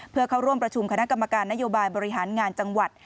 เพื่อเข้าร่วมประชุมคณะกรรมการนโยบายบริหารงานจังหวัด